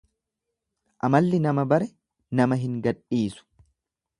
Amalli nama bare nama hin gadhiisu.